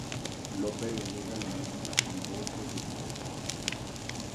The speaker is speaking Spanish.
Lope de Vega lo nombra en dos de sus obras.